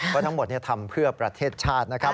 ก็ทั้งหมดเนี่ยทำเพื่อประเทศชาตินะครับ